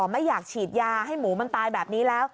ไม่อยากฉีดยาให้หมูมันตายแบบนี้แล้ว